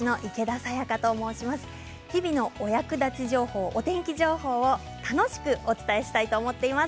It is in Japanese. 日々のお役立ち情報お天気情報を楽しくお伝えしたいと思っています。